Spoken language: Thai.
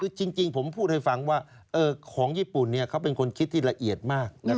คือจริงผมพูดให้ฟังว่าของญี่ปุ่นเขาเป็นคนคิดที่ละเอียดมาก